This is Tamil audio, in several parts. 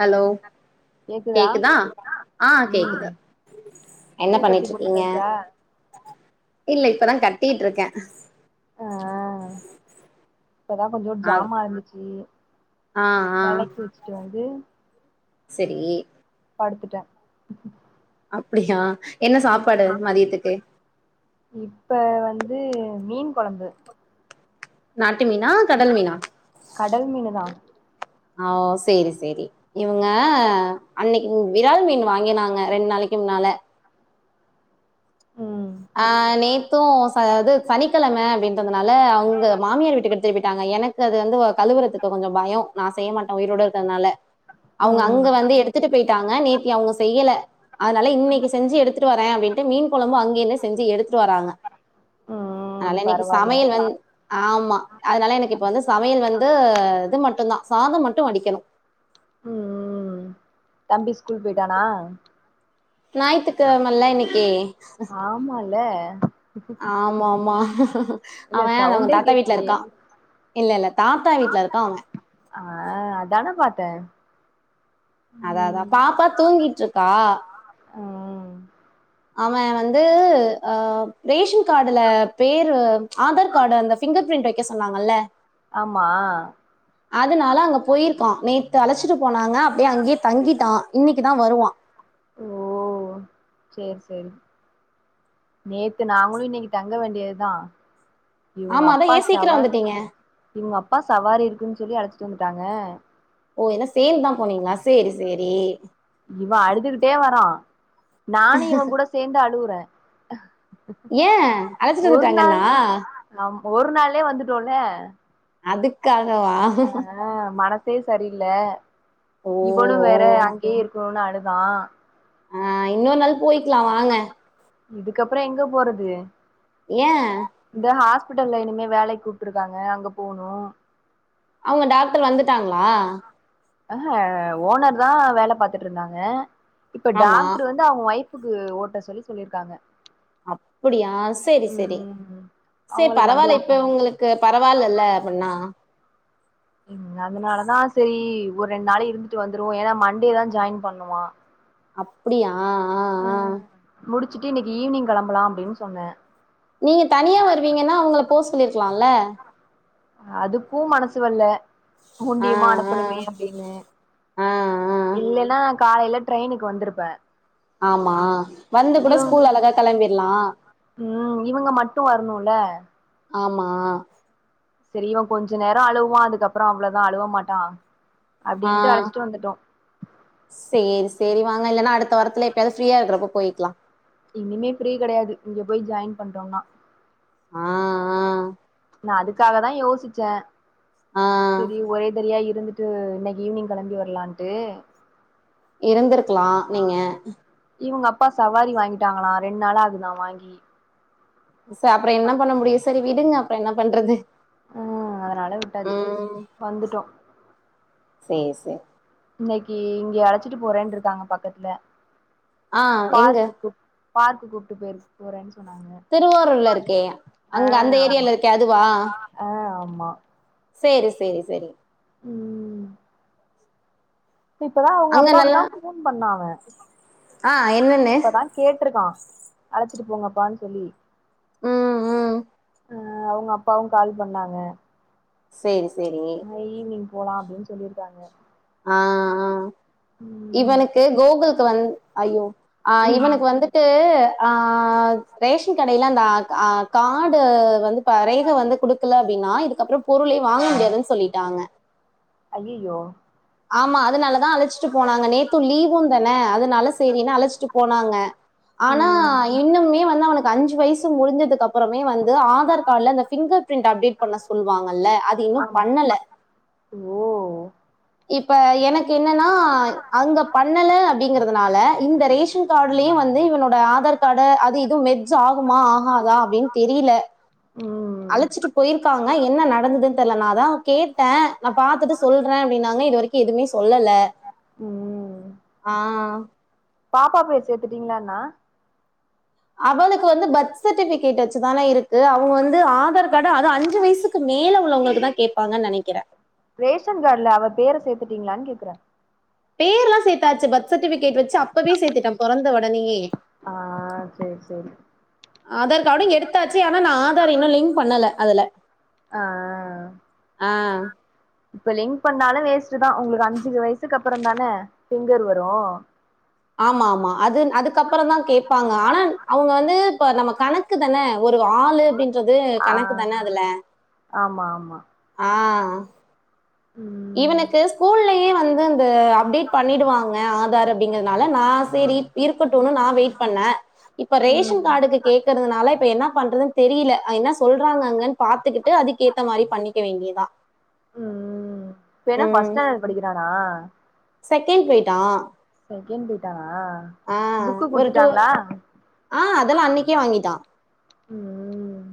ஹலோ கேக்குதா ஆ ம் கேக்குது என்ன பூ கட்டி பண்ணிட்டு இருக்கீங்க முடிச்சாச்சா இல்ல இப்பதா கட்டிட்ருக்கே ஆ இப்பதா கொஞ்சோ ஆ ஜாமான் இருந்துச்சு ஆ ஆ வெளக்கி வச்சுட்டு வந்து செரி படுத்துட்ட அப்டியா என்ன சாப்பாடு மதியத்துக்கு இப்ப வந்து மீன் கொழம்பு நாட்டு மீனா கடல் மீனா கடல் மீனு தா ஆ செரி செரி இவுங்க அன்னைக்கு விரால் மீன் வாங்கினாங்க ரெண்ட் நாளைக்கு முன்னால ம் அ நேத்து ச அது சனிக்கிழம அப்டின்றதுனால அவுங்க மாமியார் வீட்டுக்கு எடுத் திருப்பிட்டாங்க எனக்கு அது வந்து கழுவுறதுக்கு கொஞ்சோ பயோ நா செய்ய மாட்ட உயிரோடு இருக்கறதுனால அவுங்க ம் அங்க வந்து எடுத்துட்டு போயிட்டாங்க நேத்தி அவுங்க செய்யல அதனால இன்னைக்கி செஞ்சு எடுத்து ட்டு வர அப்டின்ட்டு மீன் கொழம்பு அங்கிருந்து செஞ்சு எடுத்துட் வராங்க ம் அதனால இன்னைக்கு பரவால்ல சமையல் வந் ஆமா அதனால எனக்கு இப்ப வந்து சமையல் வந்து இது மட்டுதா சாதம் மட்டு வடிக்கணு ம் ம் தம்பி ஸ்கூல் போயிட்டானா ஞாய்த்துக்கிழமல்ல இன்னைக்கி ஆமால்ல ஆமாம்மா இல்ல அவ அவங்க சவுண்டே தாத்தா வீட்ல கேக்கலையே இருக்கா இல்ல இல்ல தாத்தா வீட்ல இருக்கா அவ ஆ அதானே பாத்தே அத அதா ம் பாப்பா தூங்கிட்ருக்கா ம் அவன் வந்து ஆ ரேஷன் கார்டுல பேரு ஆதார் கார்டு அந்த ஃபிங்கர் பிரிண்ட் வைக்க சொன்னாங்கல்ல ஆமா அதுனால அங்க போயிருக்கா நேத்து அழைச்சிட்டு போனாங்க அப்படியே அங்கேயே தங்கிட்டா இன்னைக்கு தா வருவா ஓ சேரி சேரி நேத்து நாங்களு இன்னிக்கு தங்க வேண்டியதுதா இவங்க ஆமா அதான் அப்பா ஏன் சீக்கிரம் சவாரி வந்துட்டீங்க இவங்க அப்பா சவாரி இருக்குன் சொல்லி அழச்சிட்டு வந்துட்டாங்க ஓ எல்லா சேர்ந்துதா போனீங்களா சேரி சேரி இவ அழுதுகிட்டே வரா நானு இவ கூட சேந்து அழுவுறே ஏ அழச்சிட்டு வந்துட்டாங்கனா ஆமா ஒரு நாள்லே வந்துடோல அதுக்காகவா ஆ மனசே சரியில்ல ஓ இவளு வேற அங்கயே இருக்கணுனு அழுதா ஆ இன்னொரு நாள் போயிக்கலாம் வாங்க இதுக்கப்றோ எங்க போறது ஏன் இந்த ஹாஸ்பிட்டல்ல இனிமே வேலைக் கூப்ட்ருக்காங்க அங்க போணு அவுங்க டாக்டர் வந்துட்டாங்களா அ ஓனர் தா வேல பாத்துட்ருந்தாங்க இப்ப ஆமா டாக்ட்ரு வந் தா அவங்க ஒய்ஃபுக்கு ஒட்ட சொல்லி சொல்லியிர்க்காங்க அப்பிடியா சேரி சேரி சேரி அவங்களுக்கு வண்டி பரவால இப்ப ஓட்டனு ஒங்களுக் க்கு பரவாலல அப்பின்னா ம் அதனாலதா செரி ஒரு ரெண்டு நாள் இருந்துட்டு வந்துருவோ ஏனா மண்டே தா ஜாயின் பண்ணுமா அப்பிடியா ம் முடிச்சுட்டு இன்னிக்கு ஈவினிங் கிளம்பலா அப்படின்னு சொன்னே நீங்க தனியா வருவீங்கன்னா அவங்கள போவ் சொல்லிருக்கலாம்ல அதுக்கூ மனசு வரல்ல ஆ, ஒன்டியமா ஆ. அனுப்பணுமே அப்டின்னு ஆ ஆ இல்லன்னா காலைல ட்ரெயினுக்கு வந்துருப்பே ஆமா வந்து கூட ஸ்கூல் அழகா கெளம்பிற்லா ம் இவங்க மட்டு வர்ணுல ஆமா தெரியூ கொஞ்ச நேரோ அழுவான் அதுக்கப்புறம் அவ்வளதா அழுவ மாட்டான் ஆ அப்படின்ட்டு அழைச்சிட்டு வந்துட்டோ சேரி சேரி வாங்க இல்லன்னா அடுத்த வாரத்துல எப்பையாவது ஃப்ரீயா இருக்குறப்போ போயிக்கலா இனிமே ஃப்ரீ கெடையாது இங்க போய் ஜாயின் பண்டோனா ஆ ஆ நா அதுக்காக தா யோசிச்சே ஆ செரி ஒரே தரயா இருந்துட் இது இன்னிக்கி ஈவினிங் கெளம்பி வர்லான்ட் இருந்துருக்கலா நீங்க இவங்க அப்பா சவாரி வாங்கிட்டாங்களா ரெண்டு நாளு ஆகுதா வாங்கி ச அப்ற என்ன பண்ண முடியு செரி விடுங்க அப்றோ என்ன பண்றது ம் அதனால விட்டாச்சு ம் வந்துட்டோ சேர் சே இன்னைக்கி இங்க அழைச்சிட்டு போறேன்னு இருக்காங்க பக்கத்துல ஆ எங்க பார்க்குக்கு பார்க்கு கூப்பிட்டு பேய்ர்கு போறேன் சொன்னாங்க திருவாரூர்ல இருக்கே அங்க அந்த ஏரியால இருக்கே அதுவா அ ஆமா சேரி செரி செரி ம் இப்பதா அவுங்க அங்க அப்பாவுக்குதா நல்லா ஃபோன் பண்ணா அவன் ஆ இப்பதா கேட்ருக்கா அழச்சிட்டு போங்கப்பான் சொல்லி உம் உம் அ அவுங்க அப்பாவு கால் பண்ணாங்க சேரி சேரி ஈவினிங் போலா அப்டின் சொல்லிர்கிறாங்க ஆ ஆ ம் இவனுக்கு கோகுல்கு வந் ஐயோ ஆ இவனுக்கு வந்து து அ ரேஷின் கடைல அந்த ஆ ஆ கார்டு வந்து தரையில வந்து குடுக்கல அப்படின்னா இதுக்கப்றோ பொருளே வாங்க முடியாதுன்னு சொல்லிட்டாங்க அய்யய்யோ ஆமா அதனாலதா அழச்சிட்டு போனாங்க நேத்து லீவுந்தனே அதுனால சேரின்னு அழச்சிட்டு போனாங்க ஆனா ம் இன்னுமே வந்து அவனுக்கு அஞ்சு வயசு முடிஞ்சதுக்கப்புறமே வந் இது ஆதார் கார்ட்ல அந்த பிங்கர் பிரண்ட் அப்டேட் பண்ண சொல்லுவாங்கல்ல அது இன்னும் ஆம் பண்ணல ஓ இப்ப எனக்கு என்னனா அங்க பண்ணல அப்டிங்கிறதுனால இந்த ரேஷன் கார்டுலியு வந்து இவனோட ஆதார் கார்ட அது இது மெஜ் ஆகுமா ஆகாதா அப்டின் தெரியில ம் அழச்சிட்டு போயிர்க்காங் ஆனா என்ன நடந்ததுன்னு தெர்ல நா தா கேட்டே நா பாத்துட்டு சொல்றே அப்டின்னாங்க இது வரைக்கும் எதுமே சொல்லல உம் ஆ பாப்பா பேர் சேத்துட்டீங்கன்னா அவளுக்கு வந்து பர்த் சர்டிபிகேட் வச்சுதானே இருக்கு அவுங்க வந்து ஆதார் கார்ட்டு அதும் அஞ்சு வயசுக்கு கு மேல உள்ளவுங்ளுக்கு தா கேப்பாங்கன் நெனைக்கிற ரேஷன் கார்ட்ல அவ பேர சேத்துட்டீங்ளான் கேக்ற பேர்லா சேத்தாச்சு பர்த் சர்டிபிகேட் வச்சு அப்பவே சேத்திட்டே பொறந்த உடனியே ஆ சேர் சேரி ஆதார் கார்டு எடுத்தாச்சு ஆனா நா ஆதார் இன்னு லிங்க் பண்ணல அதுல ஆ ஆ இப்ப லிங்க் பண்ணாலு வேஸ்டுதா உங்ளுக்கு அஞ்சுகு வயசுக்கப்பறந் தானே பிங்கர் வரு ஆமா ஆமா அது அதுக்கப்பறந்தா கேப்பாங்க ஆனா அவுங்க வந்து இப்ப நம்ம கணக் க்கு தனே ஒரு ஆளு அப்டின்றது ஆ கணக்கு தான அதுல ஆமா ஆமா ஆ ம் இவனுக்கு ஸ்கூல்லயே வந்து இந்த அப்டேட் பண்ணிடுவாங்க ஆதார் அப்டிங்கிறதுனால நா செரி இருக்கட்டுன்னு நா வெயிட் பண்ணே இப்ப ம் ரேஷன் கார்டுக்கு கேக்கறதுனால இப் இப்ப என்னா பண்றதுன்னு தெரில என்னா சொல்றாங்க அங்கன்னு பாத்துகிட்டு அதுக்கேத்த மாறி பண்ணிக்க வேண்டியதா ம் இப்ப ஏனா ஃபஸ்ட் ம். ஸ்டாண்டர்ட் படிக்கிறானா செகண்ட் போயிட்டா செகண்ட் பேய்ட்டானா ஆ ஒரு டூ ஆ அதெல்லா அன்னைக்கே வாங்கிடா ம்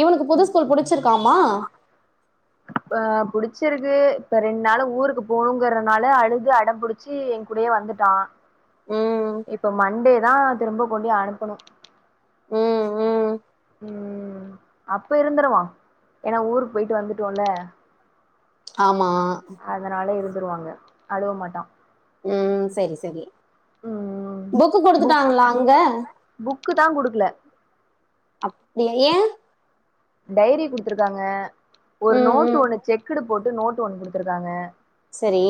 இவனுக்கு புது ஸ்கூல் புடிச்சிருக்காமா அ புடிச்சிருக்கு இப்ப ரெண் நாளு ஊருக்கு போகணுங்கறனால அழுது அடம் புடி சி என் கூடயே வந்துட்டா ம். இப்ப மண்டே தா திரும்ப கொண்டு அனுப்பனு ம் ம் ம் அப்ப இருந்துருவா ஏன்னா ஊருக் போயிட்டு வந்துட்டோல ஆமா ஆ அதனால இருந்துடுவாங்க அழுவ மாட்டா ம் செரி செரி ம் புக்கு புக் குடுத்துட்டாங்களா அங்க புக்கு தா குடுக்கல அப்டியா ஏ டைரி குடுத்துருக்காங்க ஒரு ம் நோட்டு ம் ஒண்ணு செக்குடு போட்டு நோட்டு ஒண்ணு குடுத்துருக்காங்க செரி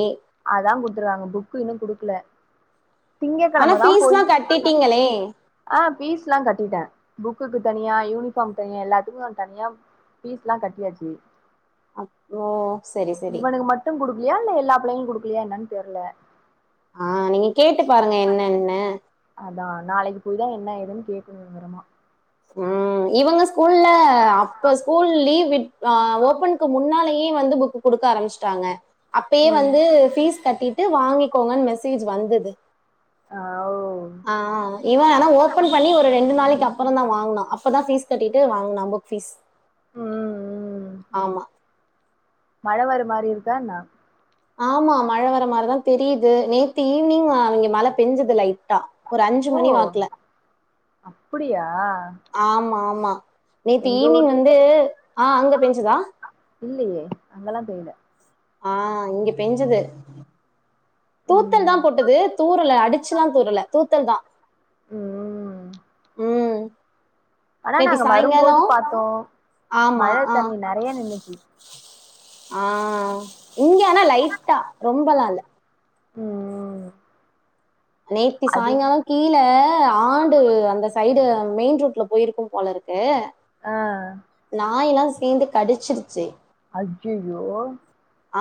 அதா குடுத்துருக்காங்க புக் இன்னு குடுக்கல திங்க ஆனா கெழமதா போயி ஃபீஸ்லா கட்டிட்டீங்களே ஆ ஃபீஸ்லா கட்டிட்டே புக்குக்கு தனியா யூனிஃபார்ம் தனியா எல்லாத்துக்கு தனியா பீஸ்ல்லா கட்டியாச்சு அப் ஓ செரி செரி ட்டு கொடுக்கலயா இல்ல எல்லா பிள்ளைகளு குடுக்கலயா என்னன் தெர்ல ஆ நீங்க கேட்டு பாருங்க என்னன்னு அதா நாளைக்கு போய்தா என்ன ஏதுன் கேக்கனு வெவரமா ம் இவங்க ஸ்கூல்ல அப்ப ஸ்கூல் லீவ் வி அ ஓபன்க்கு முன்னாலேயே வந்து புக் குடுக்க ஆரம்பிச்சிட்டாங்க அப்பயே ம் வந்து ஃபீஸ் கட்டிட்டு வாங்கிக்கோங்கன் மெசேஜ் வந்தது அவு ஆ இவ ஆனா ஓபன் பண்ணி ஒரு ரெண்டு நாளைக்கப் அப்புறந்தா வாங்னா அப்பதா ஃபீஸ் கட்டிட்டு வாங்னா புக் ஃபீஸ் ம் ம் ஆமா மழ வர மாரி இருக்கான்ன ஆமா மழ வர மாரிதா தெரியுது நேத்து ஈவினிங் இங்க மழ பெஞ்சுது லைட்டா ஒரு அஞ்சு ஓ மணி வாக்குல அப்டியா ஆமா ஆமா நேத்து எங்க ஈவினிங் வந்து ஆ அங்க பெஞ்சுதா இல்லயே அங்கல்லா பேய்ல ஆ இங்க பேஞ்சுது தூத்தல் ம் தா போட்டது தூரல அடிச்சுல்லா தூரல தூத்தல் தா ம் ஆனா நேத்தி நாங்க சாய்ங்காலோ வரும்போது பாத்தோ ஆமா மழ ஆ தண்ணி நெறைய நின்னுச்சு ஆ இங்க ஆனா லைட்டா ரொம்பலால்ல ம் நேத்தி அது சாய்ங்காலோ கீழ ஆண்டு அந்த சைடு மெயின் ரோட்ல போயிருக்கும் போலருக்கு ஆ நாய் எல்லா சேந்து கடிச்சிருச்சு ஐய்யய்யோ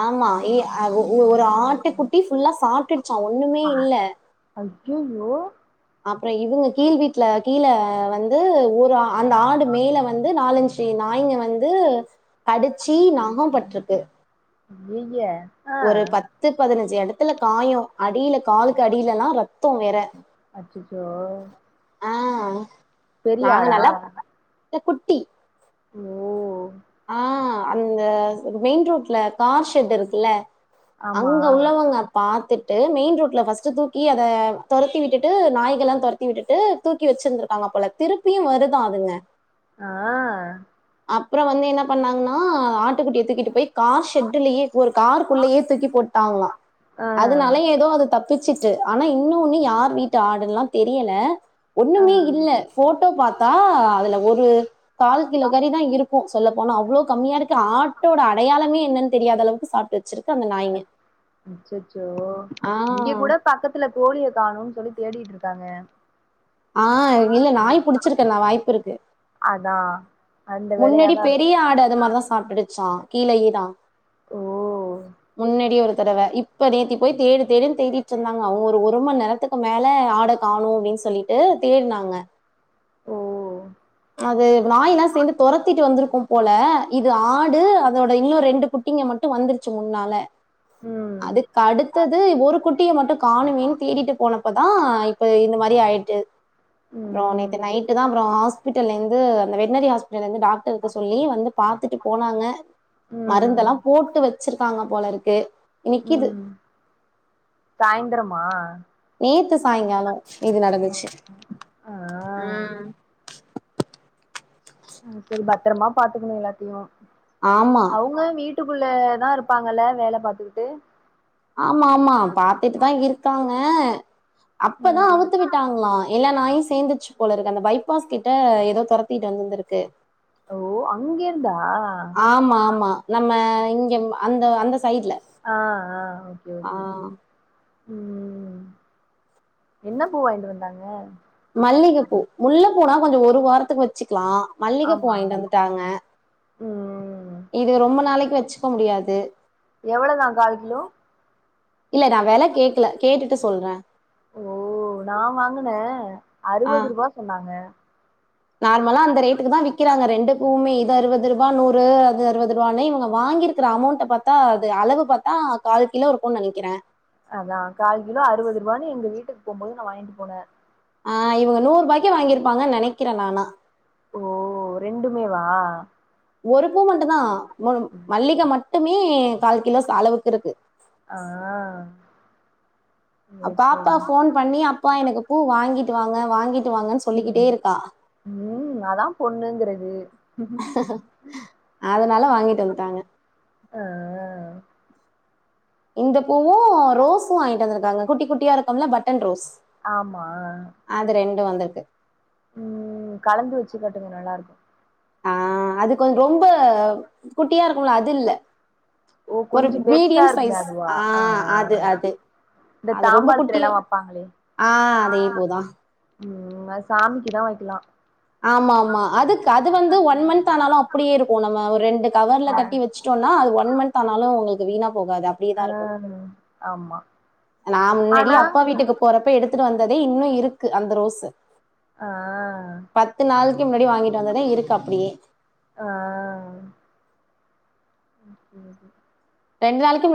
ஆமா இ ஒரு ஆட்டு குட்டி ஃபுல்லா சாப்டுச்சா ஒண்ணுமே இல்ல ஐய்யய்யோ அப்புறோ இவுங்க கீழ் வீட்ல கீழ வந்து ஒரு அந்த ஆடு மேல வந்து நாலஞ்சு நாய்ங்க வந்து கடிச்சி நககோ பட்டுருக்கு யிய்ய ஒரு பத்து பதினஞ்சு எடத்துல காயம் அடியில காலுக்கு அடியலல்லா ரத்தோம் வேற அச்சச்சோ ஆ பெரிய நாங்க ஆளா நல்லா குட்டி ஓ ஆ அந்த மெயின் ரோட்ல கார் ஷெட் இருக்குல்ல ஆமா அங்க உள்ளவங்க பாத்துட்டு மெயின் ரோட்ல ஃபர்ஸ்ட்டு தூக்கி அத தொறத்தி விட்டுட்டு நாய்கலா தொற தத்தி விட்டுட்டு தூக்கி வச்சிருந்திருக்காங்க அப்பல திருப்பியும் வருதான் அதுங்க ஆ அப்ற வந்து என்ன பண்ணாங்கனா ஆட்டுக்குட்டிய தூக்கிட்டு போய் கார் ஷெட்லயே ஒரு கார்குள்ளயே தூக்கி போட்டாங்களா ஆ அதனால எதோ அது தப் பிச்சுட்டு ஆனா இன்னொன்னு யார் வீட்டு ஆடுன்லா தெரியல ஆ ஒன்னுமே இல்ல ஃபோட்டோ பாத்தா அதுல ஒரு கால் கிலோ கறி தா இருக் சொல்ல போனா அவ்ளோ கம்மியா இருக்க ஆட்டோட அடையாளமே என்னன் தெரியாத அளவுக்கு சாப்ட்டு ச்சிருக்கங்க அச் அச்சச்சோ இங்க ஆ. கூட பக்கத்துல கோழிய காணுனு சொல்லி தேடிட்டு இருக்காங்க ஆ இல்ல நாய் புடிச்சிருக்கே நா வாய்ப்பு இருக்கு அதா அந்த முன்னாடி வேலையாதா இருக்கு பெரிய ஆடு அது மாரிதா சாப்ட்டுடுச்சா கீழயேதா ஓ முன்னாடி ஒரு தடவ இப் இப்ப நேத்தி போய் தேடு தேடுன்னு தேடிட்டு இருந்தாங்க அவங்க ஒரு ஒரு மணி நேரத்துக்கு மேலே ஆட காணு அப்டின்னு சொல்லி ஓ தேட்னாங்க ஓ அது நாய்ல்லா சேந்து துரத்திட்டு வந்திருக்கு போல இது ஆடு அதோட இன்னு ரெண்டு குட்டிங்க மட்டு வந்துருச்சு முன்னால ம் அதுக் அடுத்தது ஒரு குட் குட்டிய மட்டு காணுமேன்னு தேடிட்டு போனப்பதா இப்ப இந்த மாரி ஆயிட்டு அப்பறோ ம் நேத்து நைட்டுதா அப்றோ ஹாஸ்பிட்டல்லேந்து அந்த வெட்டினரி ஹாஸ் இருந்து டாக்டரு சொல்லி வந்து பாத்துட்டு போனாங்க மருந்தெல்லா ம் போட்டு வ வச்சிருக்காங்க போல இருக்கு இன்னைக்கு இது ம் சாயந்திரமா நேத்து சாயங்கால இது நடந்துச்சு ஆ ம் சரி பத்திரமா பாத்துக்கணு எல்லாத்தையு ஆமா அவங்க வீட் வீட்டுக்குள்ளதா இருப்பாங்கல்ல வேல பாத்துக்கிட்டு ஆமா ஆமா பாத்துட்டு தா இருக்காங்க அப்பதா ம் அவுத்து விட்டாங்களா எல்லா நாயு சேந்துச்சு போல இருக்கு அந்த பைபாஸ் கிட்ட எதோ துரத்திட்டு வந்திருந்திருக்கு ஓ அங்கெர்ந்தா ஆமா ஆமா நம்ம இங்க அந்த அந்த சைடுல ஆ ஆ ஓகே ஓகே ம் என்ன பூ வாய்ன்ட்டு வந்தாங்க மல்லிகப்பூ முல்ல பூனா கொஞ்சோ ஒரு வாரத்துக்கு வச்சுக்கலா மல்லிக பூ ஆமா வாங்கிட்டு வந்துட்டாங்க ம் இது ரொம்ப நாளைக்கு வச்சுக்க முடியாது எவ்ளோ வா கால் கிலோ இல்ல நா வெல கேக்கல கேட்டுட்டு சொல்ற ஓ நா வாங்குன ஆ அறுவதுருபா சொன்னாங்க நார்மலா அந்த ரேட்டுக்கு தா விக்கிறாங்க ரெண்டு பூமே இது அறுபதுருபா நூறு அது அறுபதுருபானு இவங்க வாங்கிரு இரு அமௌண்ட்ட பாத்தா இது அளவு பாத்தா கால் கிலோ இருக்குன் நெனைக்கிற அதா கால் கிலோ அறுபதுருபான்னு எங்க வீட்டுக்கு போம் போது நா வாங்கிட்டு போன ஆ இவுங்க நூறுபாய்க்கு வாங்கிருப்பாங்க நெனைக்கிறே நானா ஓ ரெண்டுமே வா ஒரு பூ மட்டு தா மல்லிக மட்டுமே கால் கிலோஸ் அளவுக்கு இருக்கு அ பாப்பா வோன் பண்ணி அப்பா எனக்கு பூ வாங்கிட்டு வாங்க வாங்கிட்டு வாங்கன் சொல்லிக்கிட்டேருக்கா ம் அதா பொண்ணுங்றது அதனால வாங்கிட்டு வந்துட்டாங்க அ இந்த பூவு ரோஸு வாங்கிட்டு வந்ருக்காங்க குட்டி குட்டியா இருக்கும்ல பட்டன் ரோஸ் ஆமா அது ரெண்டும் வந்துர்க்கு ம் கலந்து வச்சுக்கட்டுங்க நல்லாருக்கு ஆ அது கொஞ் ரொம்ப குட்டியா இருக்கும்ல அது இல்ல ஓ ஒரு கொஞ்சோ பெருசா மீடியம் இருக்குமே சைஸ் அதுவா ஆ அது அது இந்த அது ரொம்ப தாம்பாளத்துல எல்லா குட்டியா வப்பாங்களே ஆ அதே பூதா ம் அது சாமிக்குதா வைக்லா ஆமா ஆமா அதுக் அது வந்து ஒன் மன்த் ஆனாலு அப்டியேருக் நம்ம ஒ ரெண்டு கவர்ல ஆ கட்டி வச்ட்டோனா அது ஒன் மன்த் ஆனாலு உங்ளுக்கு வீணா போகாது அப் அ ஆமா நா முன்னடி ஆனா அப்பா வீட்டுக்கு போறப்ப எடுத்துட்டு வந்ததே இன்னு இருக்கு அந்த ரோஸு அ பத்து நாளைக்கு முன்னாடி வாங்கிட்டு வந்ததே இருக்கு அப்டியே ஆ [inaudible] ரெண்டு நாளைக்கு முன்